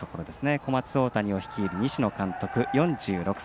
小松大谷を率いる西野監督４６歳。